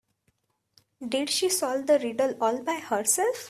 Did she solve the riddle all by herself?